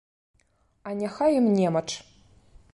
А няхай ім немач!